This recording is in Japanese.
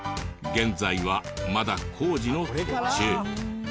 現在はまだ工事の途中。